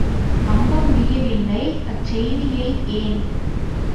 நம்ப முடியவில்லை அச்செய்தியை ஏன்?